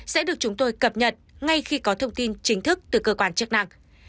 sẽ được chúng tôi cập nhật ngay khi có thông tin chính thức từ cơ quan chức năng